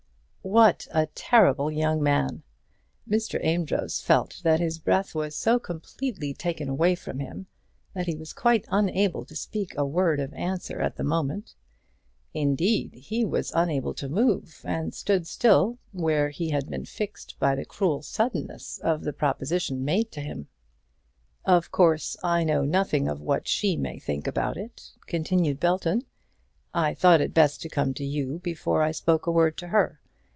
What a terrible young man! Mr. Amedroz felt that his breath was so completely taken away from him that he was quite unable to speak a word of answer at the moment. Indeed, he was unable to move, and stood still, where he had been fixed by the cruel suddenness of the proposition made to him. "Of course I know nothing of what she may think about it," continued Belton. "I thought it best to come to you before I spoke a word to her.